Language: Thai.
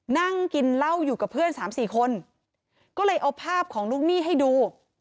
นั่งกินเหล้าอยู่กับเพื่อนสามสี่คนก็เลยเอาภาพของลูกหนี้ให้ดู